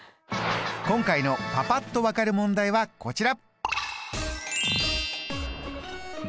今回のパパっと分かる問題はこちら。